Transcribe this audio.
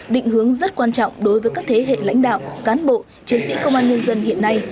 định hướng rất quan trọng đối với các thế hệ lãnh đạo cán bộ chiến sĩ công an nhân dân hiện nay